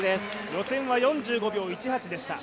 予選は４５秒１８でした。